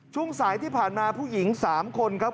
ช่วงสายที่ผ่านมาผู้หญิง๓คนครับ